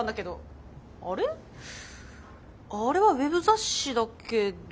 あれはウェブ雑誌だけど。